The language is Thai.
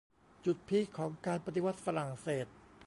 จุดพีคของการปฏิวัติฝรั่งเศส